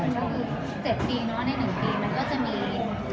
ก็คือ๗ปีเนอะใน๑ปีมันก็จะมี